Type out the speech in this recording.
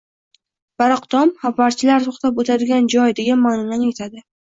Baroqtom «xabarchilar to‘xtab o‘tadigan joy» degan ma’noni anglatadi.